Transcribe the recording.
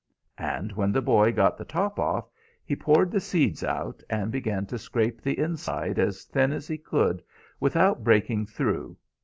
And when the boy got the top off he poured the seeds out, and began to scrape the inside as thin as he could without breaking through.